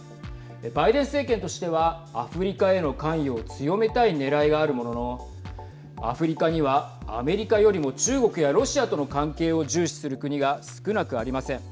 バイデン政権としてはアフリカへの関与を強めたいねらいがあるもののアフリカには、アメリカよりも中国やロシアとの関係を重視する国が少なくありません。